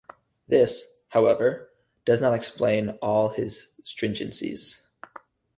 This, however, does not explain all of his stringencies.